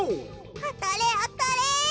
あたれあたれ。